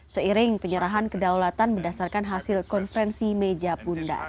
seiring penyerahan kedaulatan berdasarkan hasil konferensi meja bunda